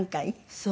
そう。